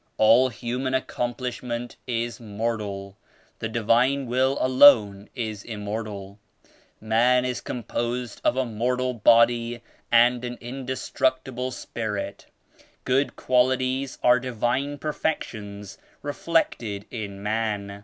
"All human accomplishment is mortal; the Divine Will alone is immortal. Man is com posed of a mortal body and an indestructible Spirit. Good qualities are Divine perfections reflected in man.